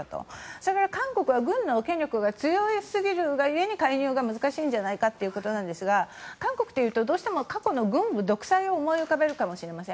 それから韓国は軍の権力が強すぎるが故に介入が難しいんじゃないかということですが韓国というとどうしても過去の軍部独裁を思い浮かべるかもしれません。